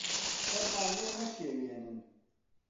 سەرمان لێ مەشێوێنن.